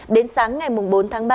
đến sáng ngày bốn tháng ba